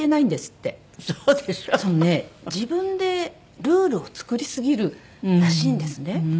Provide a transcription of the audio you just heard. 自分でルールを作りすぎるらしいんですね。